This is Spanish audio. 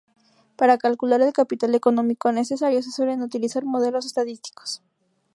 Para calcular el capital económico necesario, se suelen utilizar modelos estadísticos.